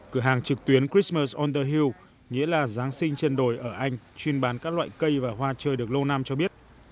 cửa hàng trực tuyến christmas on the hill nghĩa là giáng sinh trên đồi ở anh chuyên bán các loại cây và hoa chơi được lâu năm cho biết